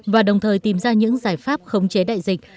và đồng thời tìm ra những giải pháp khống chế đại dịch